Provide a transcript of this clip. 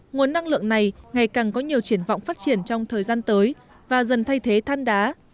nguồn năng lượng này ngày càng có nhiều triển vọng phát triển trong thời gian tới và dần thay thế than đá